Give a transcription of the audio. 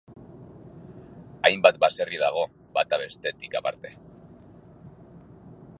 Hainbat baserri dago, bata bestetik aparte.